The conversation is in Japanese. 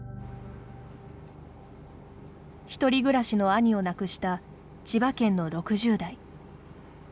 １人暮らしの兄を亡くした千葉県の６０代。